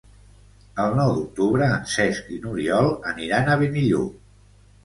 El nou d'octubre en Cesc i n'Oriol aniran a Benillup.